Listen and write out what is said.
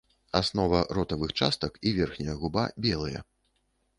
Аснова ротавых частак і верхняя губа белыя.